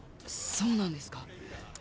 そうなんですか？